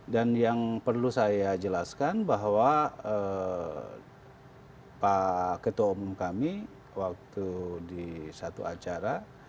dan yang perlu saya jelaskan bahwa pak ketua umum kami waktu di satu acara